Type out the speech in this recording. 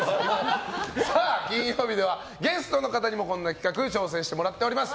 金曜日ではゲストの方にもこんな企画挑戦してもらっています。